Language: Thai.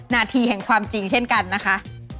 นาทีแห่งความจริงเช่นกันนะคะ